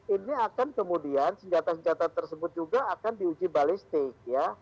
ini akan kemudian senjata senjata tersebut juga akan diuji balistik ya